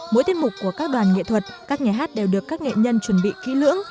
mỗi tiết mục của các đoàn nghệ thuật các nhà hát đều được các nghệ nhân chuẩn bị kỹ lưỡng